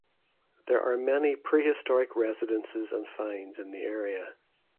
There are many prehistoric residences and finds in the area.